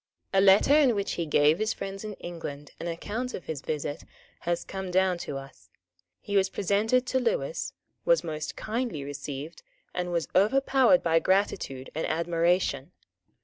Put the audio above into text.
A letter in which he gave his friends in England an account of his visit has come down to us. He was presented to Lewis, was most kindly received, and was overpowered by gratitude and admiration.